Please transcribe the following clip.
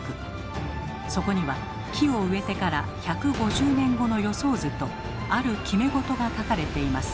そこには木を植えてから１５０年後の予想図とある決め事が書かれています。